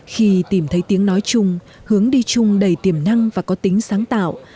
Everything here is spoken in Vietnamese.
khi tìm thấy tiếng nói chung hướng đi chung đầy tiềm năng và có tính sáng tạo